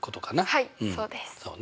はいそうです。